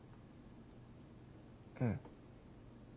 うん。